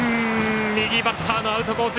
右バッターのアウトコース